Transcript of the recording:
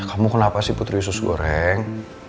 kamu kenapa sih putri sus goreng